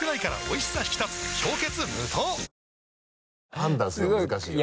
判断するのが難しいよな。